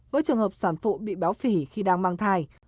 với trường hợp sản phụ bị béo phì khi đang mang thai